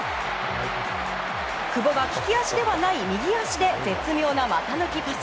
久保が利き足ではない右足で絶妙な股抜きパス。